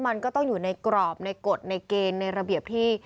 มันก็ต้องอยู่ในกรอบในกฎในเกณฑ์ในระเบียบที่